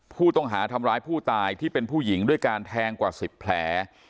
ผู้ต้องหาทำร้ายผู้ตายที่เป็นผู้หญิงด้วยการแทงกว่า๑๐แผล